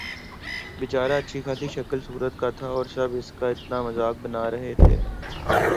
بے چارہ اچھی خاصی شکل صورت کا تھا اور سب اس کا اتنا مذاق بنا رہے تھے